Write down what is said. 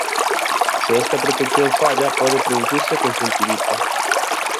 Se esta protección falla pode producirse conxuntivite.